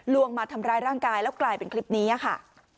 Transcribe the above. มาทำร้ายร่างกายแล้วกลายเป็นคลิปนี้ค่ะ